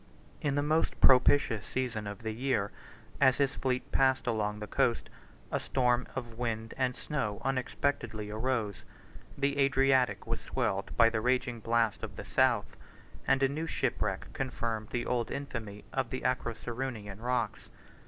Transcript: In the most propitious season of the year, as his fleet passed along the coast, a storm of wind and snow unexpectedly arose: the Adriatic was swelled by the raging blast of the south, and a new shipwreck confirmed the old infamy of the Acroceraunian rocks.